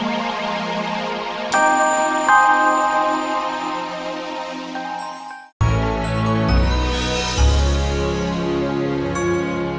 aku akan menangkapmu